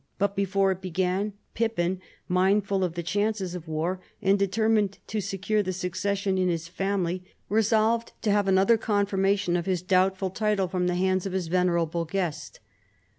but before it began, Pippin, mindful of the chances of war, and determined to secure the succession in his family, resolved to have another confirmation of his doubtful title from the hands of his venerable guest.